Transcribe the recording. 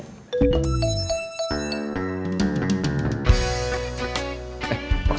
kamu mau ngeliatin saya begitu atau kum